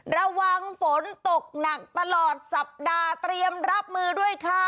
ระวังฝนตกหนักตลอดสัปดาห์เตรียมรับมือด้วยค่ะ